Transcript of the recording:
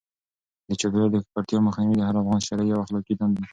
د چاپیریال د ککړتیا مخنیوی د هر افغان شرعي او اخلاقي دنده ده.